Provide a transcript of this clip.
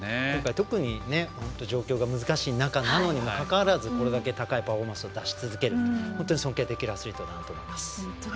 特に状況が難しい中なのにもかかわらずこれだけ高いパフォーマンスを出せるのはすばらしいアスリートだなと思います。